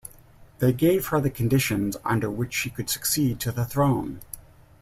They gave her the conditions under which she could succeed to the throne.